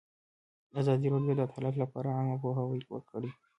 ازادي راډیو د عدالت لپاره عامه پوهاوي لوړ کړی.